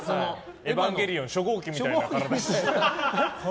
エヴァンゲリオン初号機みたいな。